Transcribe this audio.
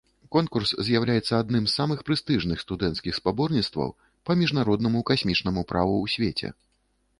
Конкурс з'яўляецца адным з самых прэстыжных студэнцкіх спаборніцтваў па міжнароднаму касмічнаму праву ў свеце.